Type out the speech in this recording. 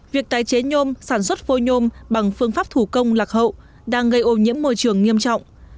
việc tái chế nhôm sản xuất phôi nhôm bằng phương pháp thủ công lạc hậu đang gây ô nhiễm môi trường nghiêm trọng